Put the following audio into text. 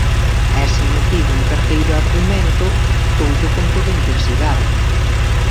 E se me pide un terceiro argumento, doullo con toda intensidade.